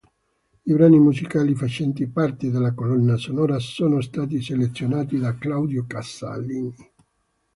I brani musicali facenti parte della colonna sonora sono stati selezionati da Claudio Casalini.